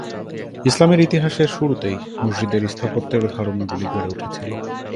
ইসলামের ইতিহাসের শুরুতেই মসজিদের স্থাপত্যের ধারণাগুলি গড়ে উঠেছিল।